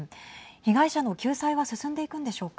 被害者の救済は進んでいくんでしょうか。